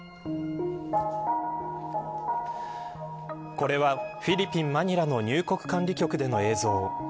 これはフィリピン、マニラの入国管理局での映像。